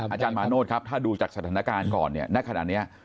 อาจารย์มาโนธครับถ้าดูจากสถานการณ์ก่อนเนี่ยณขณะนี้